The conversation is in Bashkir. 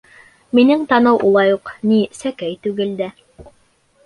Минең танау улай уҡ, ни, сәкәй түгел дә.